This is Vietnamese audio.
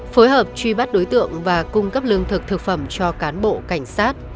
phối hợp truy bắt đối tượng và cung cấp lương thực thực phẩm cho cán bộ cảnh sát